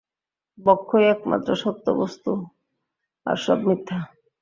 ব্রহ্মই একমাত্র সত্য বস্তু, আর সব মিথ্যা।